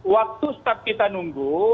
waktu staf kita nunggu